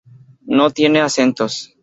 No tiene acentos.